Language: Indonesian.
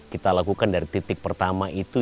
kita lakukan dari titik pertama itu